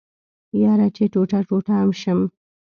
يره چې ټوټه ټوټه ام شم.